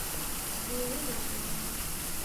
هغې ولي ژړل؟